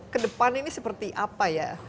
kedepan ini seperti apa ya